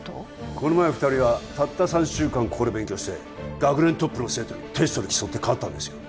この前２人はたった３週間ここで勉強して学年トップの生徒にテストで競って勝ったんですよ